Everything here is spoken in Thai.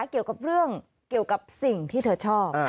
เกี่ยวกับเรื่องเกี่ยวกับสิ่งที่เธอชอบ